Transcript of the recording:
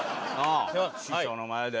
師匠の前で。